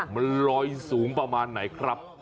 มันลอยสูงประมาณไหนครับ